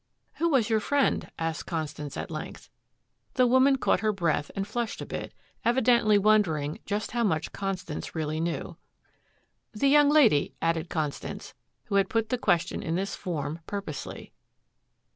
"Who was your friend?" asked Constance at length. The woman caught her breath and flushed a bit, evidently wondering just how much Constance really knew. "The young lady," added Constance, who had put the question in this form purposely.